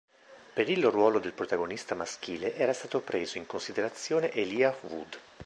Per il ruolo del protagonista maschile era stato preso in considerazione Elijah Wood.